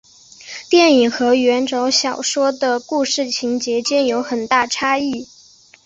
电影和原着小说的故事情节间有很大差异。